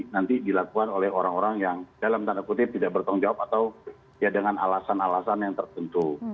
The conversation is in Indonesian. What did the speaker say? nanti dilakukan oleh orang orang yang dalam tanda kutip tidak bertanggung jawab atau ya dengan alasan alasan yang tertentu